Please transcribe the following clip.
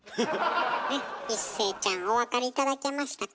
一生ちゃんお分かり頂けましたか？